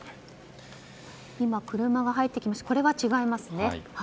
今車が入ってきましたがこれは違いますね。